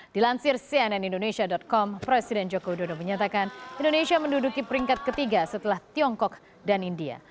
dilansir cnn indonesia com presiden joko widodo menyatakan indonesia menduduki peringkat ketiga setelah tiongkok dan india